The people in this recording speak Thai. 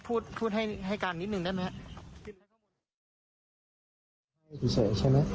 พูดให้กันนิดนึงได้มั้ย